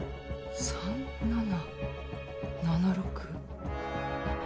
３７７６？